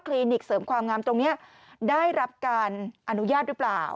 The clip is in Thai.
นิกเสริมความงามตรงนี้ได้รับการอนุญาตหรือเปล่า